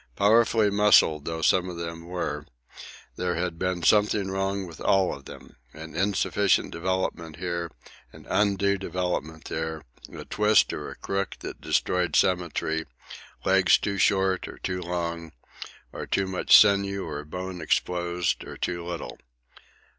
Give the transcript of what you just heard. Powerfully muscled though some of them were, there had been something wrong with all of them, an insufficient development here, an undue development there, a twist or a crook that destroyed symmetry, legs too short or too long, or too much sinew or bone exposed, or too little.